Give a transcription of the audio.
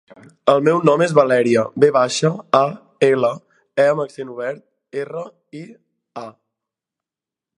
El meu nom és Valèria: ve baixa, a, ela, e amb accent obert, erra, i, a.